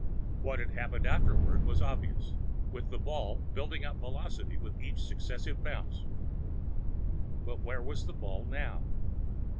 What had happened afterward was obvious, with the ball building up velocity with every successive bounce. But where was the ball now?